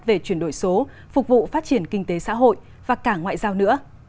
về chuyển đổi số phục vụ phát triển kinh tế xã hội và cả ngoại giao nữa